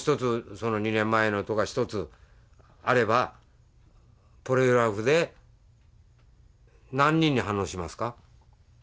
その２年前のとが１つあればポリグラフで何人に反応しますか？